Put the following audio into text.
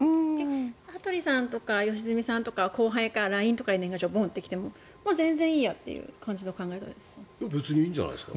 羽鳥さんとか良純さんとか後輩からＬＩＮＥとかで年賀状が来ても全然いいやという考え方ですか？